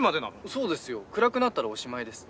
そうですよ暗くなったらおしまいです。